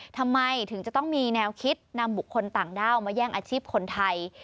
ทำไมถึงจะต้องมีแนวคิดนำบุคคลต่างด้าวมาแย่งอาชีพคนไทย